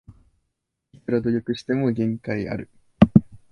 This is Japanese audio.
いくら努力しても限界ある